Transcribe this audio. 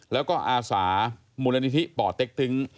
แล้วก็อาสามูลนิธิป่อเต็กตึง